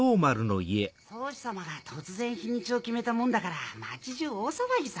宗師様が突然日にちを決めたもんだから街じゅう大騒ぎさ。